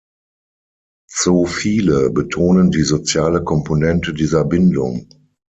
Zoophile betonen die soziale Komponente dieser Bindung.